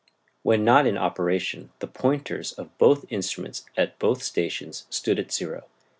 When not in operation the pointers of both instruments at both stations stood at zero.